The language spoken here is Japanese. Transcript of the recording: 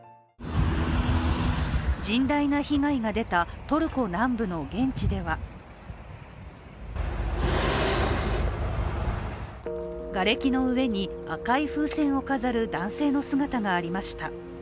甚大な被害が出たトルコ南部の現地ではがれきの上に赤い風船を飾る男性の姿がありました。